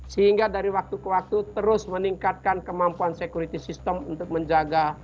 sehingga dari waktu ke waktu terus meningkatkan kemampuan security system untuk menjaga